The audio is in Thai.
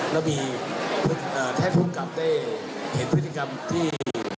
แล้วมีแท่พุทธกรรมเต้เห็นพฤติกรรมที่